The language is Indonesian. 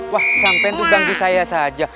wah sampai tuh ganggu saya saja